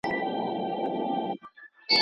نوي نسل ته تر زړو ډېر پام وکړئ.